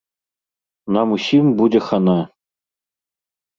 Нам усім будзе хана!